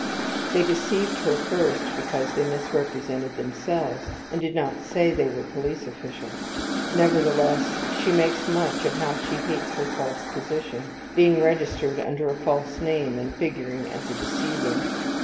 They deceived her first because they misrepresented themselves and did not say they were police officials. Nevertheless, she makes much of how she hates her false position, being registered under a false name and figuring as a deceiver.